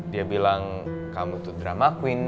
dia bilang kamu tuh drama queen